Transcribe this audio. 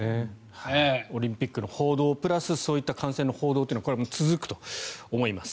オリンピックの報道プラスそういった感染の報道というのはこれは続くと思います。